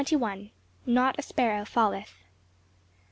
NOT A SPARROW FALLETH.